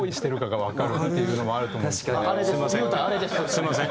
すいません。